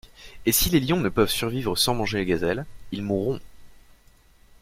Et si les lions ne peuvent survivre sans manger les gazelles, ils mourront.